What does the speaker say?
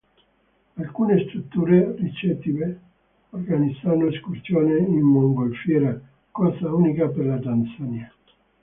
Alcune strutture ricettive organizzano escursioni in mongolfiera, cosa unica per la Tanzania.